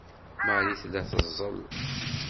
Marie tella teẓẓel.